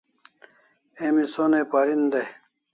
Emi sonai parin dai